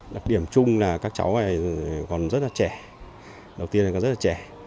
đặc điểm chung là các cháu này còn rất là trẻ đầu tiên là rất là trẻ